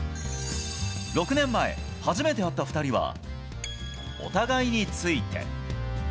６年前、初めて会った２人は、お互いについて。